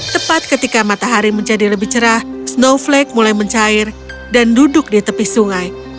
tepat ketika matahari menjadi lebih cerah snowflake mulai mencair dan duduk di tepi sungai